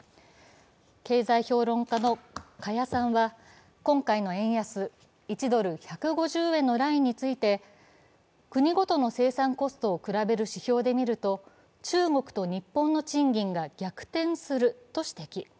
経済評論家の加谷さんは今回の円安、１ドル＝１５０円のラインについて国ごとの生産コストを比べる指標で見ると中国と日本の賃金が逆転すると指摘。